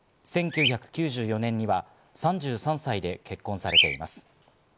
１９９４年には３３歳で結婚されています。